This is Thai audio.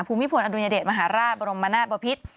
ภูมิพลอดุญเดชมหาราชบรมนาศบพิษ